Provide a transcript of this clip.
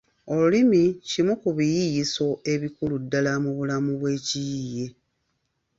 Olulimi kimu ku biyiiyiso ebikulu ddala mu bulamu bw’ekiyiiye.